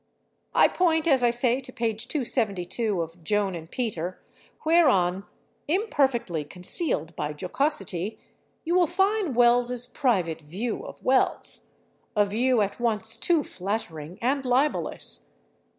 I point, as I say, to page 272 of "Joan and Peter," whereon, imperfectly concealed by jocosity, you will find Wells' private view of Wells—a view at once too flattering and libelous.